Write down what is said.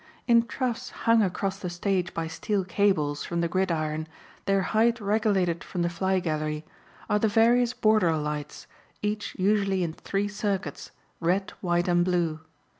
In troughs hung across the stage by steel cables from the gridiron, their height regulated from the fly gallery, are the various border lights, each usually in three circuits, red, white and blue.